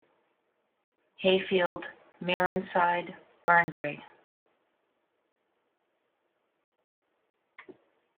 Hayfield, Mearenside, Burnbrae.